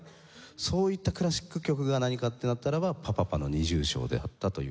そういったクラシック曲が何かってなったらば『パ・パ・パの二重唱』であったという。